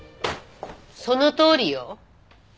そのとおりよ。